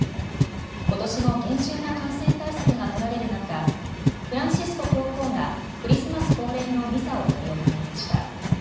ことしも厳重な感染対策が取られる中、フランシスコ教皇がクリスマス恒例のミサを執り行いました。